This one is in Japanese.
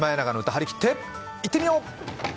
張り切っていってみよう。